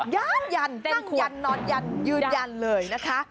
ย้านยันนอนยันยืดยันเลยนะคะ